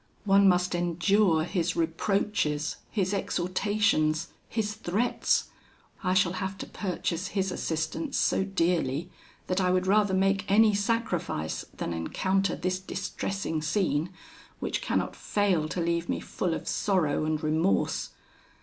One must endure his reproaches, his exhortations, his threats: I shall have to purchase his assistance so dearly, that I would rather make any sacrifice than encounter this distressing scene, which cannot fail to leave me full of sorrow and remorse.